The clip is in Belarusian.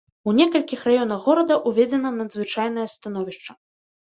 У некалькіх раёнах горада ўведзена надзвычайнае становішча.